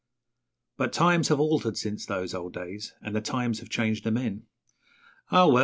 But times have altered since those old days, And the times have changed the men. Ah, well!